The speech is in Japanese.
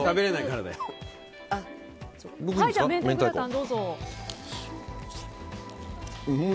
どうぞ。